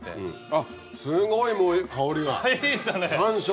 あっすごいもう香りが。